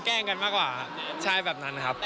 แกล้งกันมากกว่าใช่แบบนั้นครับ